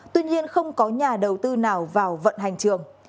tuy nhiên không có nhà đầu tư nào vào vận hành trường